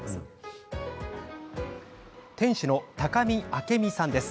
店主の高見明美さんです。